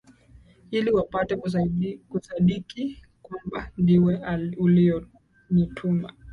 ili wapate kusadiki kwamba ndiwe uliyenituma